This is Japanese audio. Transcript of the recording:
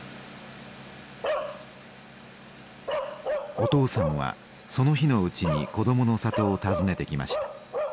お父さんはその日のうちに「こどもの里」を訪ねてきました。